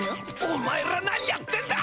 お前ら何やってんだ！